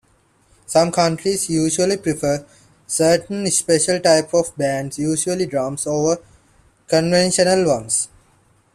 Some countries usually prefer certain special types of bands, usually drums, over conventional ones.